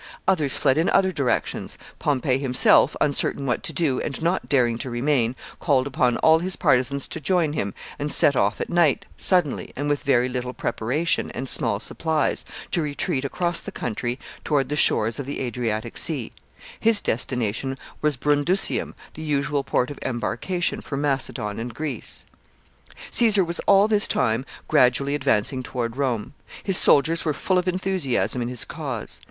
Others fled in other directions. Pompey himself, uncertain what to do, and not daring to remain, called upon all his partisans to join him, and set off at night, suddenly, and with very little preparation and small supplies, to retreat across the country toward the shores of the Adriatic Sea, His destination was Brundusium, the usual port of embarkation for Macedon and Greece. [Sidenote: Enthusiasm of Caesar's soldiers.] Caesar was all this time gradually advancing toward Rome. His soldiers were full of enthusiasm in his cause.